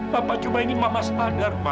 mama cuma ini mama sepadar ma